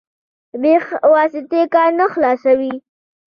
بې واسطې کار نه خلاصوي.